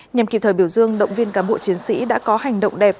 nhằm kịp thời biểu dương động viên cán bộ chiến sĩ đã có hành động đẹp